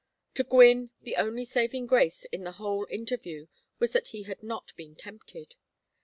To Gwynne the only saving grace in the whole interview was that he had not been tempted.